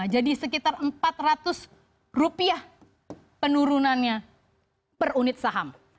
jadi sekitar empat ratus rupiah penurunannya per unit saham